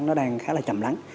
nó đang khá là chậm lắng